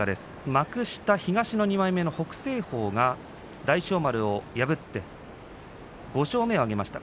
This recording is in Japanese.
幕下東の２枚目の北青鵬が大翔丸を破って５勝目を挙げました。